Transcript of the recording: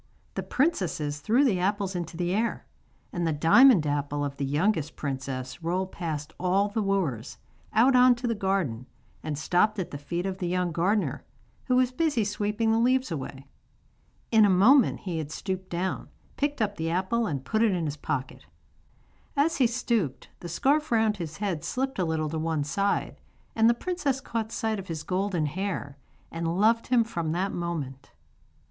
The princesses threw the apples into the air, and the diamond apple of the youngest princess rolled past all the wooers, out on to the garden, and stopped at the feet of the young gardener, who was busy sweeping the leaves away. In a moment he had stooped down, picked up the apple and put it in his pocket. As he stooped the scarf round his head slipped a little to one side, and the princess caught sight of his golden hair, and loved him from that moment.